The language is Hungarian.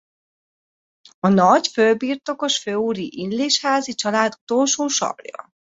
A nagybirtokos főúri Illésházy család utolsó sarja.